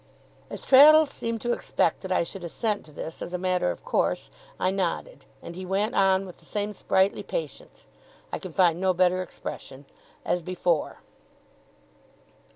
As Traddles seemed to expect that I should assent to this as a matter of course, I nodded; and he went on, with the same sprightly patience I can find no better expression as before.